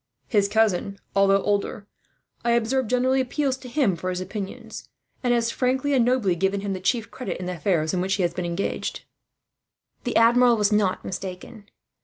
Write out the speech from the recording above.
His cousin, although older, I observe generally appeals to him for his opinion; and has frankly and nobly given him the chief credit, in the affairs in which he has been engaged." The Admiral was not mistaken.